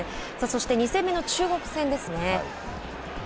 そして２戦目の中国戦ですね。